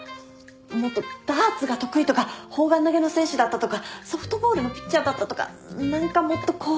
もっとダーツが得意とか砲丸投げの選手だったとかソフトボールのピッチャーだったとか何かもっとこう。